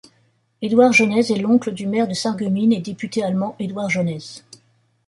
Edouard Jaunez est l’oncle du maire de Sarreguemines et député allemand Edouard Jaunez.